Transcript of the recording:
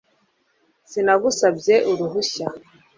Sinagusabye uruhushya